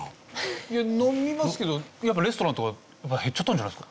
いや飲みますけどやっぱレストランとかが減っちゃったんじゃないですか？